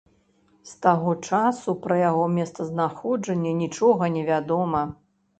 З таго часу пра яго месцазнаходжанне нічога не вядома.